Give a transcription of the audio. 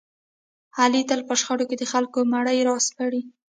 علي تل په شخړو کې د خلکو مړي را سپړي.